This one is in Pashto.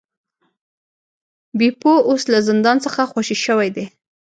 بیپو اوس له زندان څخه خوشې شوی دی.